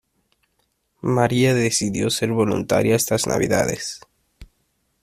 Maria decidió ser voluntaria estas navidades.